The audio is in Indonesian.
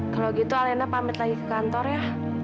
kalau gitu alena pamit lagi ke kantor ya